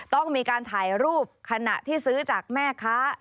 ต้องมีการถ่ายรูปขณะที่ซื้อจากแม่ค้า